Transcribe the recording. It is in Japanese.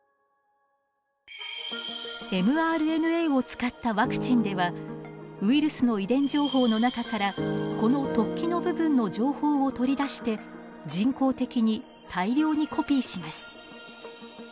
ｍＲＮＡを使ったワクチンではウイルスの遺伝情報の中からこの突起の部分の情報を取り出して人工的に大量にコピーします。